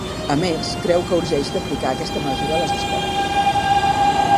A més, creu que urgeix d’aplicar aquesta mesura a les escoles.